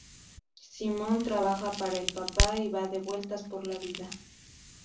Simón, trabaja para el papá y va de vueltas por la vida.